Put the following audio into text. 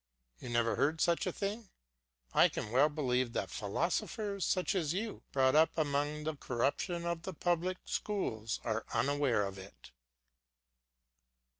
You never heard such a thing; I can well believe that philosophers such as you, brought up among the corruption of the public schools, are unaware of it.